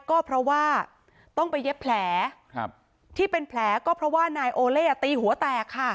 ก็เพราะว่าต้องไปเย็บแผลที่เป็นแผลก็เพราะว่านายโอเล่ตีหัวแตกค่ะ